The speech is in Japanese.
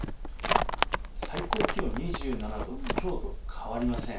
最高気温２７度、きょうと変わりません。